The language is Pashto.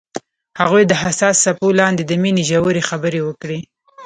هغوی د حساس څپو لاندې د مینې ژورې خبرې وکړې.